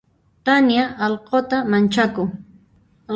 Tania allquta manchakun.